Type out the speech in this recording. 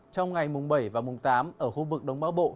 trong ngày mùng bảy và mùng tám ở khu vực đông bắc bộ